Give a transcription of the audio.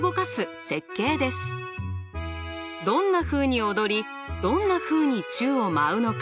どんなふうに踊りどんなふうに宙を舞うのか？